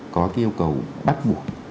có cái yêu cầu bắt buộc